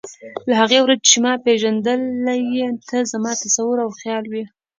له هغې ورځې چې ته مې پېژندلی یې ته زما تصور او خیال وې.